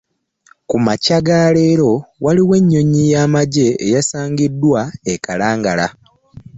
Ku makya ga leero waliwo ennyonyi y'amagye eyasindikiddwa e Kalangala